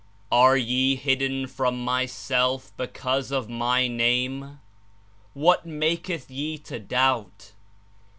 Are ye hidden from Myself because of My Name? What maketh ye to doubt?